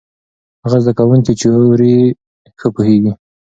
هغه زده کوونکی چې اوري، ښه پوهېږي.